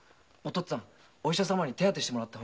っつぁんお医者様に手当てしてもらったら。